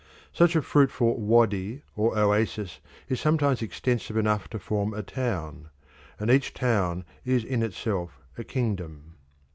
Such a fruitful wadi or oasis is sometimes extensive enough to form a town, and each town is in itself a kingdom.